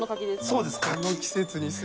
そうです柿。